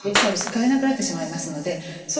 通えなくなってしまいますのでそう